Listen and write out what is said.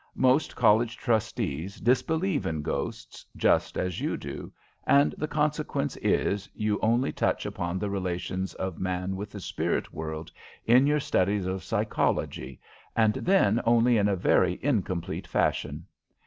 Most college trustees disbelieve in ghosts, just as you do, and the consequence is you only touch upon the relations of man with the spirit world in your studies of psychology, and then only in a very incomplete fashion.